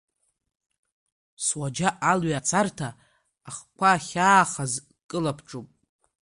Суаџьаҟ алҩа ацарҭа, ахқәа ахьаахаз, кылаԥҽуп.